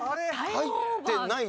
はい。